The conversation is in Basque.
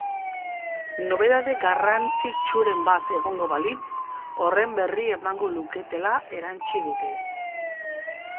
Nobedade garrantzitsuren bat egongo balitz, horren berri emango luketela erantsi dute.